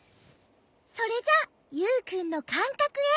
それじゃユウくんのかんかくへ。